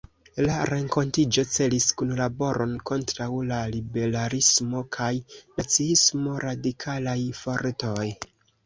La renkontiĝo celis kunlaboron kontraŭ la liberalismo kaj naciismo, radikalaj fortoj.